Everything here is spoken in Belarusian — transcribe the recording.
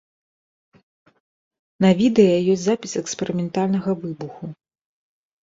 На відэа ёсць запіс эксперыментальнага выбуху.